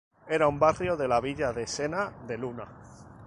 Era un barrio de la villa de Sena de Luna.